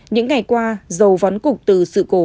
những ngày qua dầu vón cục từ sự cố